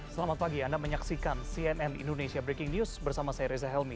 selamat pagi anda menyaksikan cnn indonesia breaking news bersama saya reza helmi